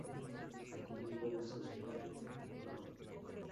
Atendiendo a la solicitud del Pbro.